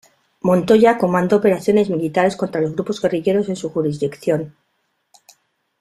Montoya comandó operaciones militares contra los grupos guerrilleros en su jurisdicción.